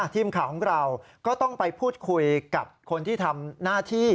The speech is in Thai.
ทีมข่าวของเราก็ต้องไปพูดคุยกับคนที่ทำหน้าที่